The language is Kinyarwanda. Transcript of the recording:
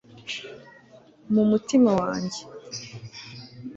mu mutima wanjye